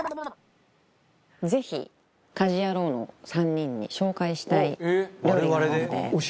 ぜひ家事ヤロウの３人に紹介したい料理があって。